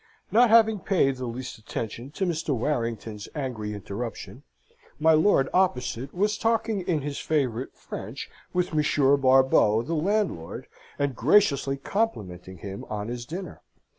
Not having paid the least attention to Mr. Warrington's angry interruption, my lord opposite was talking in his favourite French with Monsieur Barbeau, the landlord, and graciously complimenting him on his dinner.